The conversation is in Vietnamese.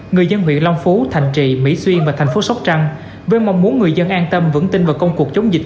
người dân huyện long phú thành trị mỹ xuyên và thành phố sóc trăng với mong muốn người dân an tâm vững tin vào công cuộc chống dịch